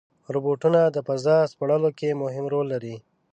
روبوټونه د فضا سپړلو کې مهم رول لري.